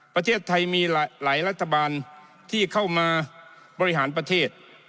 ประเทศไทยมีหลายรัฐบาลที่เข้ามาบริหารประเทศ